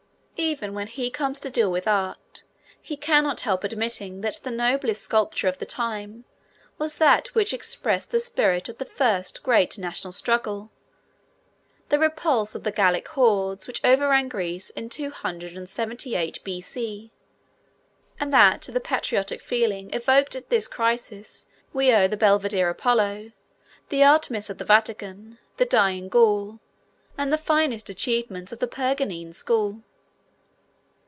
Even when he comes to deal with art, he cannot help admitting that the noblest sculpture of the time was that which expressed the spirit of the first great national struggle, the repulse of the Gallic hordes which overran Greece in 278 B.C., and that to the patriotic feeling evoked at this crisis we owe the Belvedere Apollo, the Artemis of the Vatican, the Dying Gaul, and the finest achievements of the Perganene school.